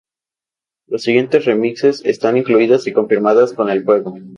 Los siguientes remixes están incluidas y confirmadas con el juego.